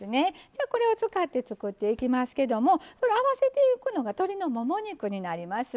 じゃこれを使って作っていきますけどもあわせていくのが鶏のもも肉になります。